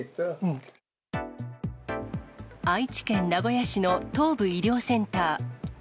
愛知県名古屋市の東部医療センター。